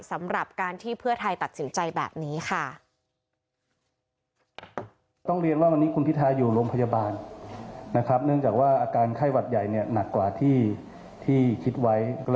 สำหรับการที่เพื่อไทยตัดสินใจแบบนี้ค่ะ